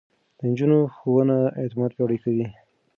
د نجونو ښوونه اعتماد پياوړی کوي.